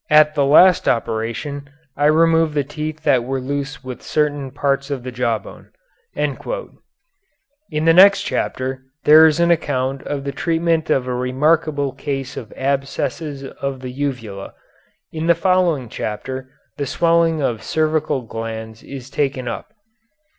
At the last operation I removed the teeth that were loose with certain parts of the jawbone." In the next chapter there is an account of the treatment of a remarkable case of abscess of the uvula. In the following chapter the swelling of cervical glands is taken up.